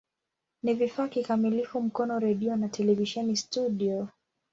Ni vifaa kikamilifu Mkono redio na televisheni studio.